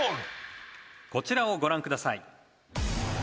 「こちらをご覧ください」